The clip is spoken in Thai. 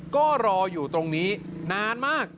ก็รออยู่ตรงนี้นานมาก